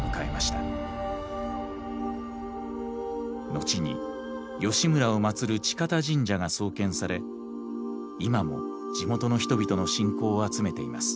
後に義村をまつる近殿神社が創建され今も地元の人々の信仰を集めています。